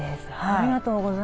ありがとうございます。